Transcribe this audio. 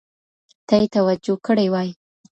ته یې توجه کړې وای